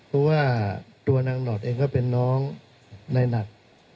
เพราะว่าตัวนางหลอดเองก็เป็นน้องในหนัด